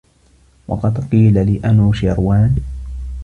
وَقَدْ قِيلَ لِأَنُوشِرْوَان